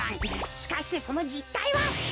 しかしてそのじったいは！